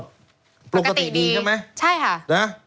ปกติดีใช่ไหมใช่ค่ะนะ